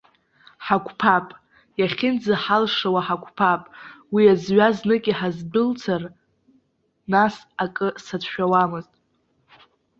Ҳақәԥап, иахьынӡаҳалшауа ҳақәԥап, уи азҩа знык иҳазбылцар, нас акы сацәшәауамызт.